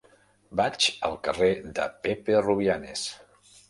Vaig al carrer de Pepe Rubianes.